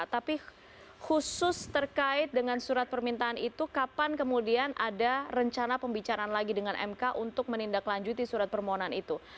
tapi khusus terkait dengan surat permintaan itu kapan kemudian ada rencana pembicaraan lagi dengan mk untuk menindaklanjuti surat permohonan itu